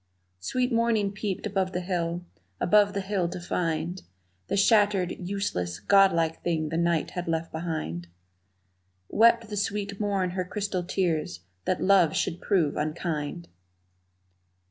Sweet morning peeped above the hill, above the hill to find The shattered, useless, godlike thing the night had left behind Wept the sweet morn her crystal tears that love should prove unkind!